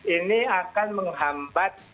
ini akan menghampakan